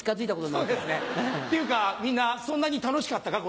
っていうかみんなそんなに楽しかったか？